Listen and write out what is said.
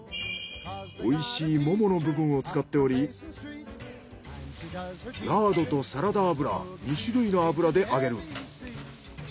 おいしいももの部分を使っておりラードとサラダ油２種類の油で揚げる。